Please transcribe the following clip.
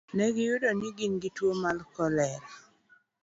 Ne oyudi ni gin gi tuwo mar kolera.